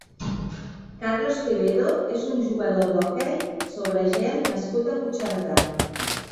Carlos Quevedo és un jugador d'hoquei sobre gel nascut a Puigcerdà.